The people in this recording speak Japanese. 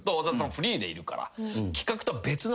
フリーでいるから。